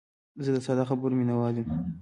زه د ساده خبرو مینوال یم.